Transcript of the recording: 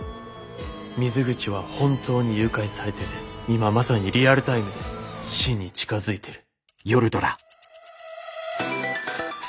水口は本当に誘拐されてて今まさにリアルタイムで死に近づいてる。